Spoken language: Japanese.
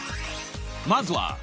［まずは］